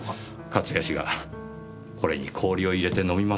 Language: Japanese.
勝谷氏がこれに氷を入れて飲みますかねぇ。